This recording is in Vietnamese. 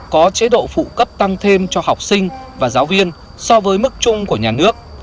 có chế độ phụ cấp tăng thêm cho học sinh và giáo viên so với mức chung của nhà nước